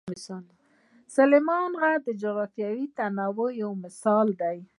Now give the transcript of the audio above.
سلیمان غر د جغرافیوي تنوع یو مثال دی.